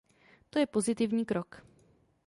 To je pozitivní krok.